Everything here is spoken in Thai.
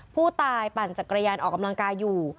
ปั่นจักรยานออกกำลังกายอยู่